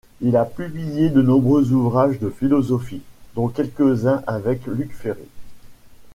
Il a publié de nombreux ouvrages de philosophie, dont quelques-uns avec Luc Ferry.